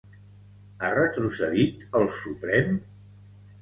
Ha retrocedit el Suprem?